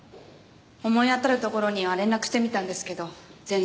思い当たるところには連絡してみたんですけど全然。